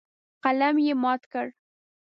قلم یې مات کړ.